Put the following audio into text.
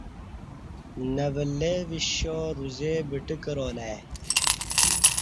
نہ ولّے وِشّا روزی بٹہ کرالہ ای